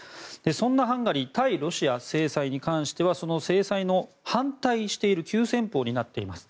そんなハンガリー対ロシア制裁に関しては制裁に反対している急先鋒になっています。